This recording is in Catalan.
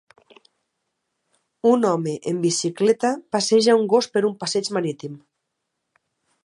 Un home en bicicleta passeja un gos per un passeig marítim.